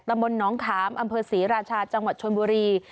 บนน้องขามอำเภอศรีราชาจังหวัดชนบุรี